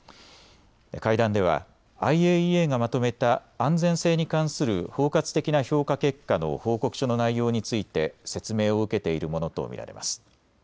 会談ではＩＡＥＡがまとめた安全性に関する包括的な評価結果の報告書の内容について説明を受けているものと見られます。